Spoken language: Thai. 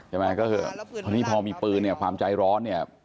ใช่ไหมก็คือพอนี้พอมีปืนเนี่ยความใจร้อนเนี่ย